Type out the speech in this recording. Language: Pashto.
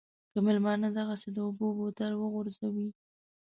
که مېلمانه دغسې د اوبو بوتل وغورځوي.